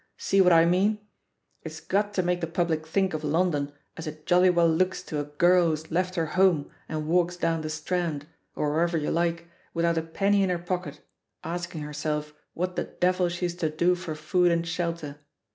See what I mean? It's got to make the public think of Lon don as it jolly well looks to a girl who's left her home and walks down the Strand, or wherever you Uke, without a penny in her pocket, asking herself what the devil she's to do for food and belter.